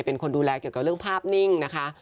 เป็นคนดูแลเกี่ยวกับเรื่องภาพนิ่งนะคะ